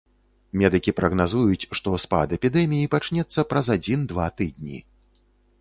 Медыкі прагназуюць, што спад эпідэміі пачнецца праз адзін-два тыдні.